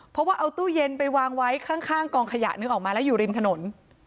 เพราะว่าเอาตู้เย็นไปวางไว้ข้างกองขยะนึกออกมาแล้วอยู่ริมถนน